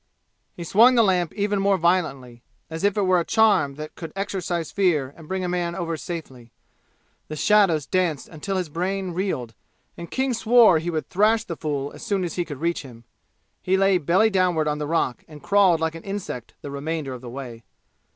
He swung the lamp even more violently, as if it were a charm that could exorcise fear and bring a man over safely. The shadows danced until his brain reeled, and King swore he would thrash the fool as soon as he could reach him. He lay belly downward on the rock and crawled like an insect the remainder of the way.